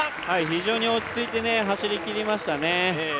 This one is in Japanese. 非常に落ち着いて走りきりましたね。